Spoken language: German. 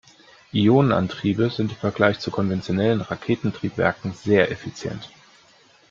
Ionenantriebe sind im Vergleich zu konventionellen Raketentriebwerken sehr effizient.